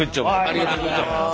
ありがとうございます。